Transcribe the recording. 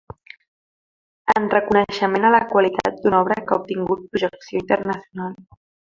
En reconeixement a la qualitat d’una obra que ha obtingut projecció internacional.